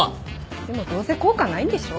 でもどうせ効果ないんでしょ？